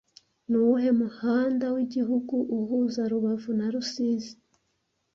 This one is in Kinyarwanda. Nuwuhe Muhanda wigihugu uhuza rubavu na rusizi